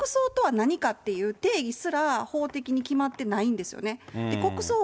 だって国葬とは何かっていう定義すら、法的に決まってないんですよね。